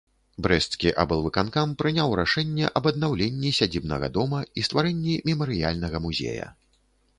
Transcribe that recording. Брэсцкі аблвыканкам прыняў рашэнне аб аднаўленні сядзібнага дома і стварэнні мемарыяльнага музея.